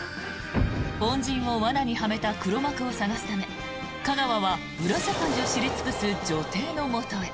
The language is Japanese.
恩人を罠にはめた黒幕を探すため架川は裏社会を知り尽くす女帝のもとへ。